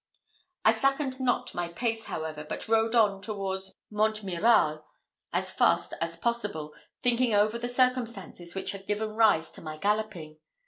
I slackened not my pace, however, but rode on towards Montmirail as fast as possible, thinking over the circumstances which had given rise to my galloping.